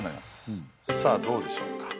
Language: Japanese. さあどうでしょうか。